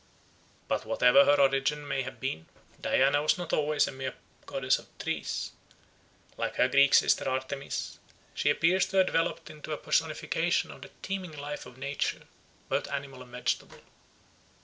But whatever her origin may have been, Diana was not always a mere goddess of trees. Like her Greek sister Artemis, she appears to have developed into a personification of the teeming life of nature, both animal and vegetable.